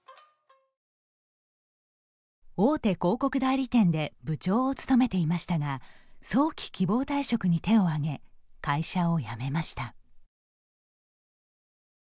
大手広告代理店で部長を務めていましたが早期希望退職に手を挙げ会社を辞めました。